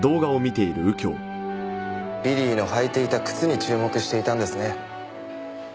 ビリーの履いていた靴に注目していたんですね。